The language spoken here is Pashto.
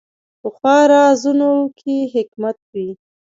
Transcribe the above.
پخو رازونو کې حکمت وي